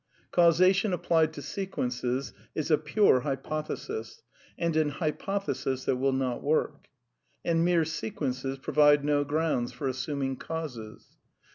A Causation applied to sequences is a pure hypothesis, • and an hypothesis that will not work. And mere sequences provide no grounds for assuming causes.